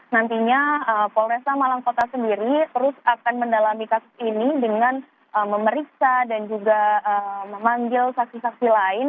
nantinya polresa malang kota sendiri terus akan mendalami kasus ini dengan memeriksa dan juga memanggil saksi saksi lain